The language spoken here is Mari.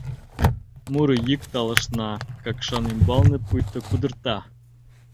Муро йӱк талышна, Какшан ӱмбалне пуйто кудырта.